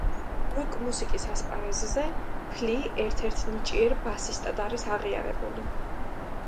როკ მუსიკის ასპარეზზე ფლი ერთ-ერთ ნიჭიერ ბასისტად არის აღიარებული.